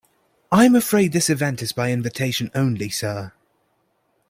I'm afraid this event is by invitation only, sir.